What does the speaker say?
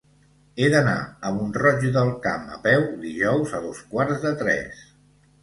He d'anar a Mont-roig del Camp a peu dijous a dos quarts de tres.